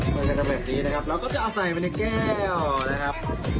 มันจะเป็นแบบนี้นะครับเราก็จะเอาใส่ไปในแก้วนะครับ